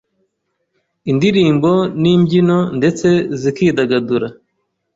indirimbo n’ibyino ndetse zikidagadura.